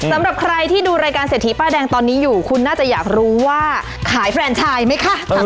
สำหรับใครที่ดูรายการเศรษฐีป้ายแดงตอนนี้อยู่คุณน่าจะอยากรู้ว่าขายแฟนชายไหมคะ